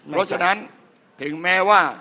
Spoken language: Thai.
เพราะฉะนั้นถึงแม้ว่า